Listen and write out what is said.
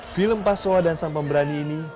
film pasoa dan sang pemberani ini